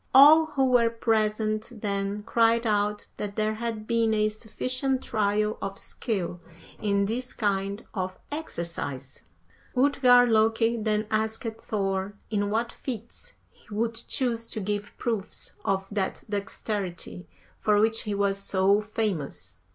All who were present then cried out that there had been a sufficient trial of skill in this kind of exercise. 50. "Utgard Loki then asked Thor in what feats he would choose to give proofs of that dexterity for which he was so famous.